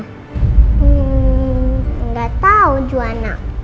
hmm gak tau cuan nak